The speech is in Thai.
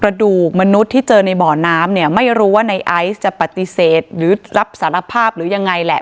กระดูกมนุษย์ที่เจอในบ่อน้ำเนี่ยไม่รู้ว่าในไอซ์จะปฏิเสธหรือรับสารภาพหรือยังไงแหละ